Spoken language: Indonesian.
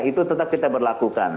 itu tetap kita berlakukan